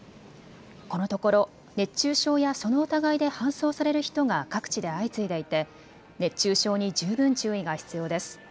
このところ熱中症やその疑いで搬送される人が各地で相次いでいて熱中症に十分注意が必要です。